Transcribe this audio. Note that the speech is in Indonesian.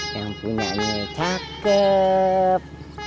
yang punya ini cakep